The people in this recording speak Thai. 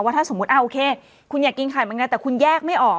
ว่าถ้าสมมุติอ่าโอเคคุณอยากกินไข่มันไงแต่คุณแยกไม่ออก